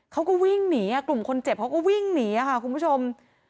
เขาก็วิ่งหนีกลุ่มคนเจ็บเขาก็วิ่งหนีค่ะคุณผู้ชม